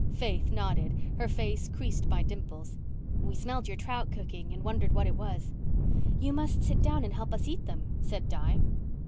Faith nodded, her face creased by dimples. "We smelled your trout cooking and wondered what it was." "You must sit down and help us eat them," said Di.